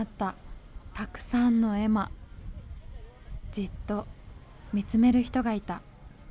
じっと見つめる人がいた。